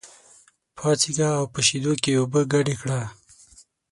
پاڅېږه او په شېدو کې اوبه ګډې کړه.